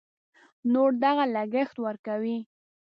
نور دغه لګښت ورکوي.